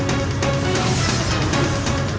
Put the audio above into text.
sukup peerang kan pukul